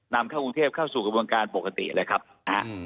นำเข้ากรุงเทพเข้าสู่กระบวนการปกติเลยครับนะฮะ